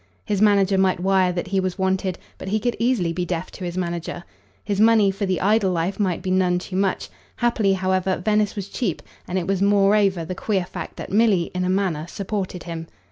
His manager might wire that he was wanted, but he could easily be deaf to his manager. His money for the idle life might be none too much; happily, however, Venice was cheap, and it was moreover the queer fact that Milly in a manner supported him.